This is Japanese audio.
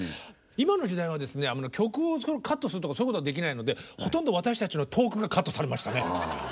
今の時代はですね曲をカットするとかそういうことはできないのでほとんど私たちのトークがカットされましたね。